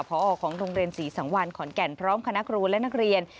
พอของโรงเรียนศรีสังวันขอนแก่นพร้อมคณะครูและนักเรียน